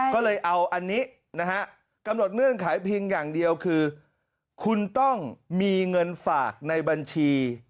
ก็เลยเอาอันนี้นะฮะกำหนดเงื่อนไขเพียงอย่างเดียวคือคุณต้องมีเงินฝากในบัญชี